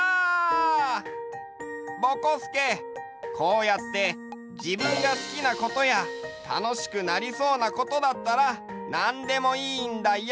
ぼこすけこうやってじぶんがすきなことやたのしくなりそうなことだったらなんでもいいんだよ！